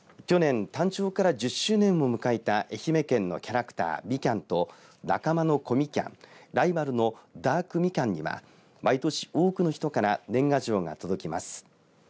去年、誕生から１０周年を迎えた愛媛県のキャラクターみきゃんと仲間のこみきゃんライバルのダークみきゃんには毎年多くの人から年賀状が届きます。